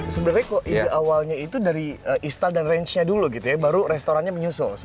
sebenarnya kok ide awalnya itu dari istal dan range nya dulu gitu ya baru restorannya menyusul